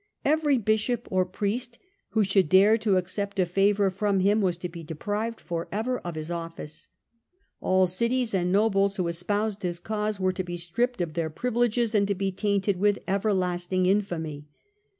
Every Bishop or priest who should dare to accept a favour from him was to be deprived for ever of his office. All cities and nobles who espoused his cause were to be stripped of their privileges and to be tainted with everlasting infamy.